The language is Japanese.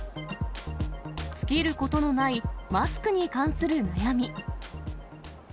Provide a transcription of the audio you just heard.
尽きることのないマスクに関する悩み。